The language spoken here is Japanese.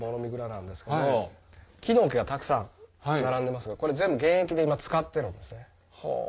木の桶がたくさん並んでますがこれ全部現役で使ってるんですね。